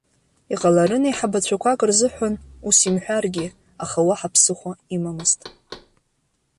Иҟаларын, еиҳабацәақәак рзыҳәан ус имҳәаргьы, аха уаҳа ԥсыхәа имамызт.